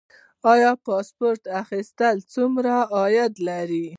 آیا پاسپورت اخیستل څومره عاید لري؟